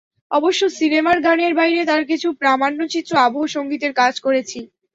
অবশ্য সিনেমার গানের বাইরে তাঁর কিছু প্রামাণ্যচিত্রে আবহ সংগীতের কাজ করেছি।